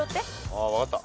ああ分かった。